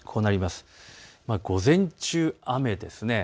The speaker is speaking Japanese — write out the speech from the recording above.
午前中、雨です。